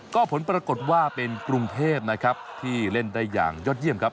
ก็ผลปรากฏว่าเป็นกรุงเทพนะครับที่เล่นได้อย่างยอดเยี่ยมครับ